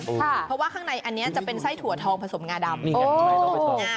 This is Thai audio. เพราะว่าข้างในอันนี้จะเป็นไส้ถั่วทองผสมงาดำผสมงา